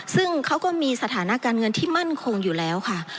ซึ่งเขาก็มีสถานะการเงินที่มั่นคงอยู่แล้วค่ะ